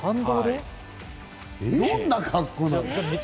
どんな格好なの？